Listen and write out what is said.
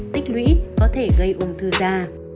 tích lũy có thể gây ung thư da